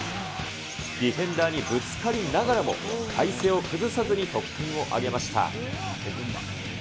ディフェンダーにぶつかりながらも、体勢を崩さずに得点を挙げました。